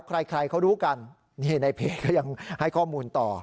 ใครเขารู้กันนี่ในเพจก็ยังให้ข้อมูลต่อ